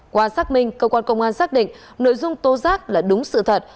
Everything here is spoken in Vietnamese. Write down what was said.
qua xác minh cơ quan công an xác định nội dung tố giác là đúng sự thật